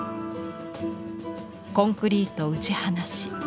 コンクリート打ち放し。